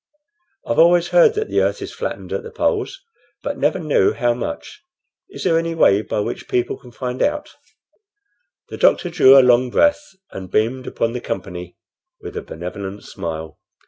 I've always heard that the earth is flattened at the poles, but never knew how much. Is there any way by which people can find out?" The doctor drew a long breath, and beamed upon the company with a benevolent smile.